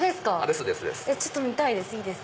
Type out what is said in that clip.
ちょっと見たいです。